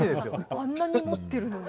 あんなに持ってるのに？